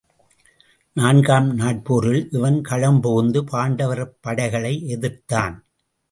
நான் காம் நாட்போரில் இவன் களம் புகுந்து பாண்டவர் படைகளை எதிர்த்தான்.